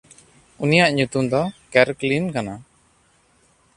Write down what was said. ᱩᱱᱤᱭᱟᱜ ᱧᱩᱛᱩᱢ ᱫᱚ ᱠᱮᱨᱠᱞᱤᱱ ᱠᱟᱱᱟ᱾